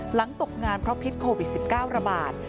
ตกงานเพราะพิษโควิด๑๙ระบาด